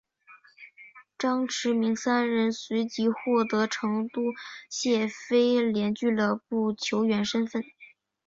张池明三人随即获得成都谢菲联俱乐部球员身份。